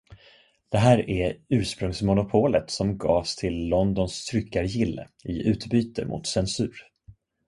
Det här är ursprungsmonopolet som gavs till Londons tryckargille i utbyte mot censur.